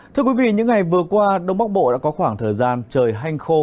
thưa quý vị những ngày vừa qua đông bắc bộ đã có khoảng thời gian trời hanh khô